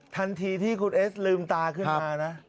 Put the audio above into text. ทันทีที่คุณเอสลืมตาขึ้นมานะ